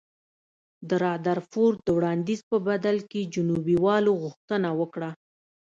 د رادرفورډ د وړاندیز په بدل کې جنوبي والو غوښتنه وکړه.